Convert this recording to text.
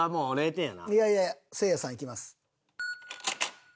いやいやいや誠也さんいきます。